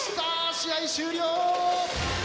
試合終了。